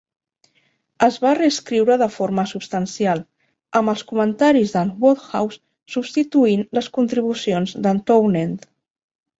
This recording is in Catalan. Es va reescriure de forma substancial, amb els comentaris d'en Wodehouse substituint les contribucions d'en Townend.